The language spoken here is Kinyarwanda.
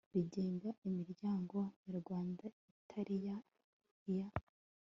rigenga imiryango nyarwanda itari iya